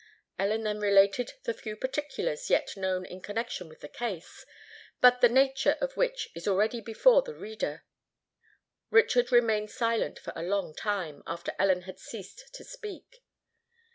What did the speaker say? Ellen then related the few particulars yet known in connexion with the case, but the nature of which is already before the reader. Richard remained silent for a long time, after Ellen had ceased to speak.